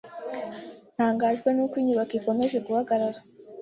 Ntangajwe nuko inyubako ikomeje guhagarara.